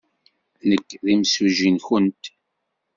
Nekk d imsujji-nwent.